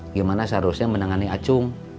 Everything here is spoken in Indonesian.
gimana seharusnya menangani acung